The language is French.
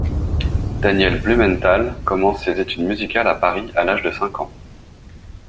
Daniel Blumenthal commence ses études musicales à Paris à l'âge de cinq ans.